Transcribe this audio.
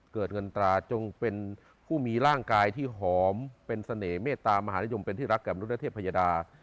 เกิดเงินตราจงเป็นผู้มีร่างกายที่หอมเป็นเสน่หมตามหานิยมเป็นที่รักกับมนุษยเทพยดา